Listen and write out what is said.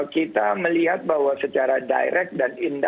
kita melihatnya terhadap transportasi akomodasi dan kegiatan kegiatan yang ada